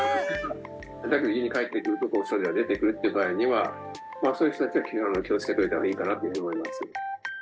家に帰ってくると症状が出てくるっていう場合にはそういう人達は気をつけといた方がいいかなというふうに思います